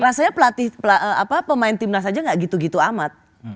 rasanya pelatih pemain timnas saja nggak gitu gitu amat